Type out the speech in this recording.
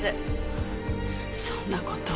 「そんな事」。